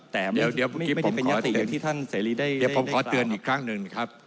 แต่ไม่ได้เป็นยัตติอย่างที่ท่านเสรีได้กล้าวครับจริงเดี๋ยวเดี๋ยวขอเตือนอีกครั้งนึงทุกครั้ง